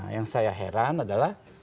yang saya heran adalah